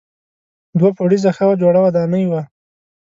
دوه پوړیزه ښه جوړه ودانۍ وه.